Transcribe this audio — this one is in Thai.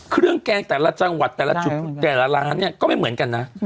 เครื่องแกงแต่ละจังหวัดแต่ละร้านเนี่ยก็ไม่เหมือนกันนะ